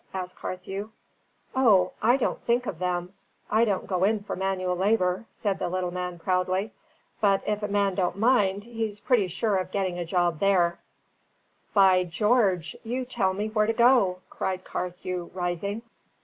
asked Carthew. "O, I don't think of them; I don't go in for manual labour," said the little man proudly. "But if a man don't mind that, he's pretty sure of a job there." "By George, you tell me where to go!" cried Carthew, rising.